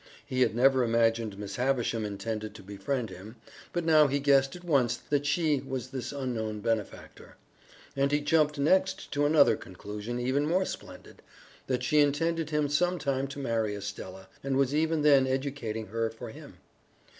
He had never imagined Miss Havisham intended to befriend him, but now he guessed at once that she was this unknown benefactor. And he jumped next to another conclusion even more splendid that she intended him sometime to marry Estella and was even then educating her for him.